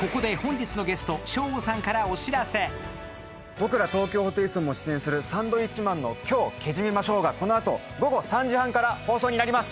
僕ら東京ホテイソンも出演するサンドウィッチマンの「今日、けじめましょう」がこのあと午後３時半から放送になります。